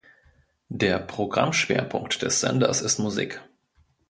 Der Programmschwerpunkt des Senders ist Musik.